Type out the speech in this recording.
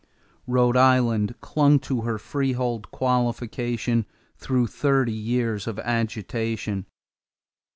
Rhode Island clung to her freehold qualification through thirty years of agitation.